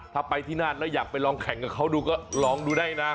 ถ้าไปที่นั่นแล้วอยากไปลองแข่งกับเขาดูก็ลองดูได้นะ